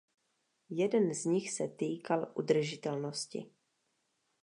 Jeden z nich se týkal udržitelnosti.